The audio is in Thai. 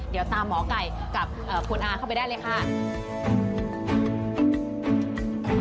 เดี๋ยวตามหมอไก่กับคุณอาเข้าไปได้เลยค่ะ